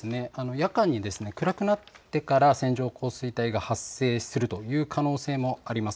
夜間に暗くなってから線状降水帯が発生するという可能性もあります。